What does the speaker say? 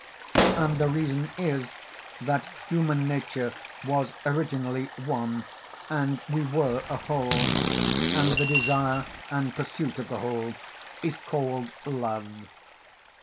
And the reason is that human nature was originally one and we were a whole, and the desire and pursuit of the whole is called love.